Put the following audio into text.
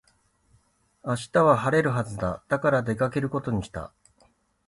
明日は晴れるはずだ。だから出かけることにした。